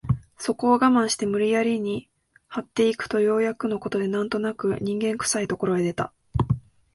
そこを我慢して無理やりに這って行くとようやくの事で何となく人間臭い所へ出た